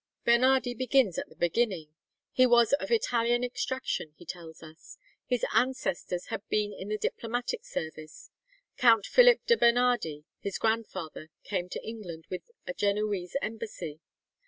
Bernardi begins at the beginning. He was of Italian extraction, he tells us. His ancestors had been in the diplomatic service. Count Philip de Bernardi, his grandfather, came to England with a Genoese embassy.